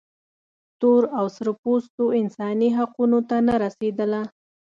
تور او سره پوستو انساني حقونو ته نه رسېدله.